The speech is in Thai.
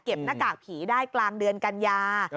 หน้ากากผีได้กลางเดือนกันยา